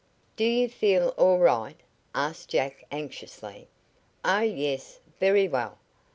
"Do you feel all right?" asked Jack anxiously. "Oh, yes. Very well.